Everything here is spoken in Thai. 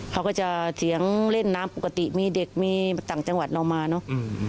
เขาก็จะเถียงเล่นน้ำปกติมีเด็กมีต่างจังหวัดเรามาเนอะ